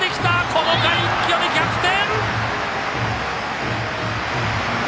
この回、一挙に逆転！